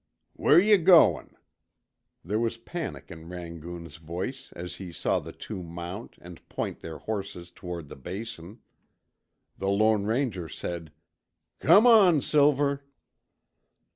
"Where yuh goin'?" There was panic in Rangoon's voice as he saw the two mount and point their horses toward the Basin. The Lone Ranger said, "Come on, Silver."